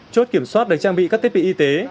chốt kiểm soát được trang bị các thiết bị y tế